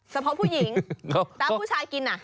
สำหรับผู้หญิงตามผู้ชายกินน่ะ